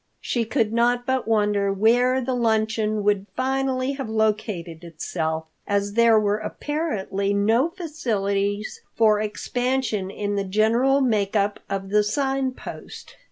She could not but wonder where the luncheon would finally have located itself, as there were apparently no facilities for expansion in the general make up of the Sign Post.